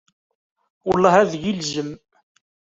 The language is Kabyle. Welleh, ad iyi-ilzem!